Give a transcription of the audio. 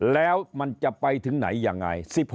แล้วมันจะไปถึงไหนยังไง